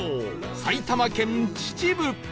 埼玉県秩父